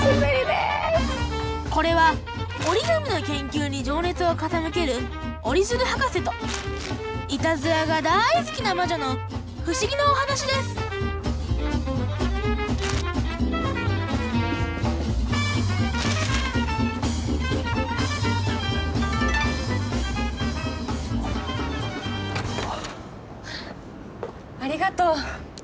これは折り紙の研究に情熱を傾ける折鶴博士といたずらがだい好きな魔女の不思議なお話ですありがとう。